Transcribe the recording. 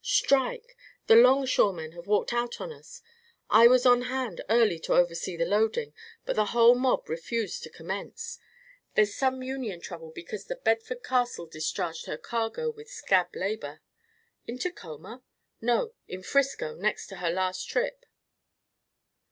"Strike! The longshoremen have walked out on us. I was on hand early to oversee the loading, but the whole mob refused to commence. There's some union trouble because The Bedford Castle discharged her cargo with scab labor." "In Tacoma?" "No. In Frisco; next to her last trip."